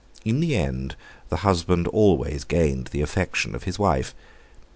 In the end the husband always gained the affection of his wife.